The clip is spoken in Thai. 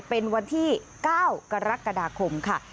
เป็นวันที่๙กรกฎาคมค่ะ